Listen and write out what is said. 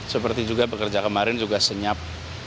seperti juga pekerja kemarin juga senyap